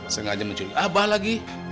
sengaja mencuri abah lagi